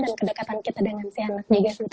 dan kedekatan kita dengan si anak